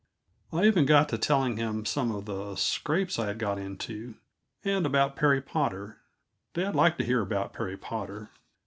I even got to telling him some of the scrapes I had got into, and about Perry Potter; dad liked to hear about Perry Potter.